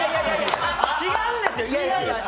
違うんですよ！